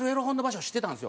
知ってたんですよ。